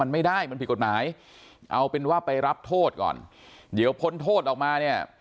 มันไม่ได้มันผิดกฎหมายเอาเป็นว่าไปรับโทษก่อนเดี๋ยวพ้นโทษออกมาเนี่ย